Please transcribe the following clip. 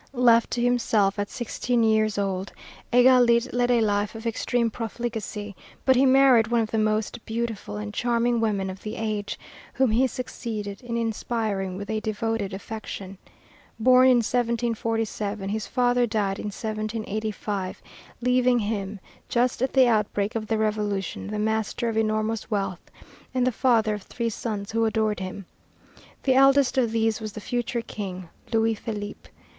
Left to himself at sixteen years old, Égalité led a life of extreme profligacy, but he married one of the most beautiful and charming women of the age, whom he succeeded in inspiring with a devoted affection. Born in 1747, his father died in 1785, leaving him, just at the outbreak of the Revolution, the master of enormous wealth, and the father of three sons who adored him. The eldest of these was the future king, Louis Philippe.